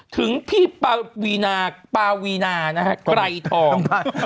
ถึงพี่ป้าเวนาใกล้ทอง